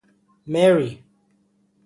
Mary.